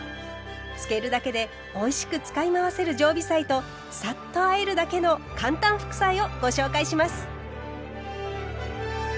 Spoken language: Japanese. つけるだけでおいしく使い回せる常備菜とサッとあえるだけの簡単副菜をご紹介します。